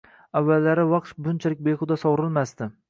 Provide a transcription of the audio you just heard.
Avvallari vaqt bunchalik behuda sovurilmasdi.